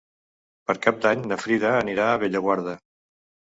Per Cap d'Any na Frida anirà a Bellaguarda.